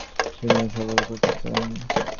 তিনি এই সাফল্য প্রচার করেননি।